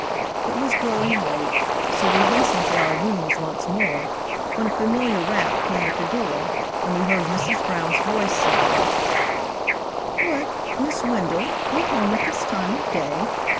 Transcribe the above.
It was growing late, so we hastened to our rooms once more, when a familiar rap came at the door and we heard Mrs. Brown's voice, saying: "What, Miss Wendell, you home at this time of day?